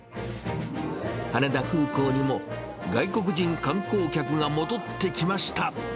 羽田空港にも外国人観光客が戻ってきました。